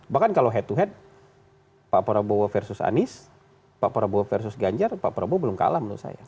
bahkan kalau head to head pak prabowo versus anies pak prabowo versus ganjar pak prabowo belum kalah menurut saya